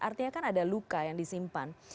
artinya kan ada luka yang disimpan